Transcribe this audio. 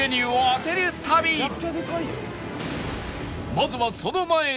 まずはその前に